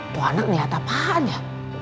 bu anak liat apaan ya